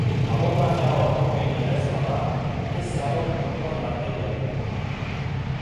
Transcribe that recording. Abordaje hau apokeria ez bada, ez zagok munduan larkeriarik.